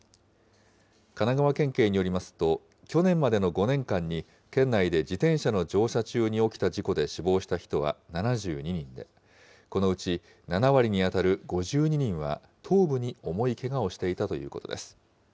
神奈川県警によりますと、去年までの５年間に県内で自転車の乗車中に起きた事故で死亡した人は７２人で、このうち７割に当たる５２人は、頭部に重いけがをしていたということです。